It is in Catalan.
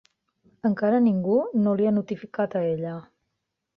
Encara ningú no li ha notificat a ella.